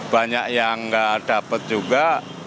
banyak yang gak dapet juga